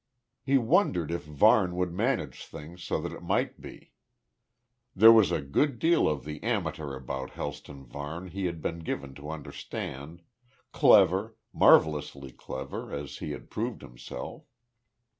He wondered if Varne would manage things so that it might be. There was a good deal of the amateur about Helston Varne he had been given to understand, clever, marvellously clever as he had proved himself.